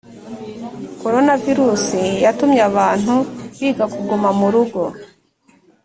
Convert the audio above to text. corona virusi yatumye abantu biga kuguma mu rugo